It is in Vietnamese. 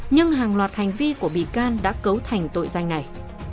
nhưng hàng loạt hành vi của bị can đã cấu thành tội danh này